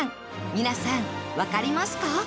皆さんわかりますか？